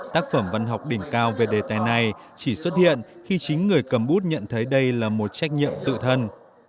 tác phẩm văn học đỉnh cao về đề tài này chỉ xuất hiện khi chính người cầm bút nhận thấy đây là một trách nhiệm tự thân